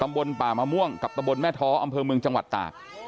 บนป่ามะม่วงกับตะบนแม่ท้ออำเภอเมืองจังหวัดตาก